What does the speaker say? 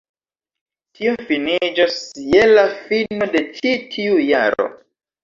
Tio finiĝos je la fino de ĉi tiu jaro